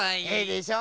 でしょ。